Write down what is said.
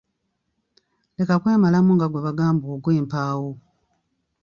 Leka kwemalamu nga gwe bagamba ogw'empaawo.